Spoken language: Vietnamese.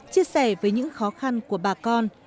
chia sẻ với những khó khăn của bà con